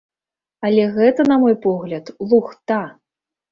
Але гэта, на мой погляд, лухта!